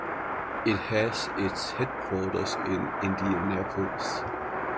It has its headquarters in Indianapolis.